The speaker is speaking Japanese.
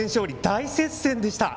大接戦でした。